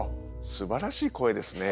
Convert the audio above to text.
すばらしい声ですね。